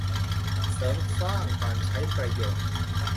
เสริมสร้างการใช้ประโยชน์